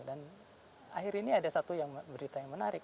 dan akhirnya ada satu berita yang menarik